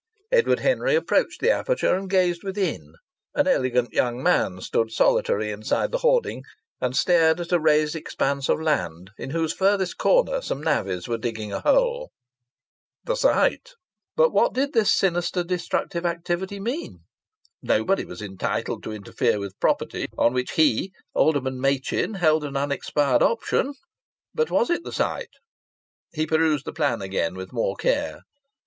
Edward Henry approached the aperture and gazed within. An elegant young man stood solitary inside the hoarding and stared at a razed expanse of land in whose furthest corner some navvies were digging a hole.... The site! But what did this sinister destructive activity mean? Nobody was entitled to interfere with property on which he, Alderman Machin, held an unexpired option! But was it the site? He perused the plan again with more care.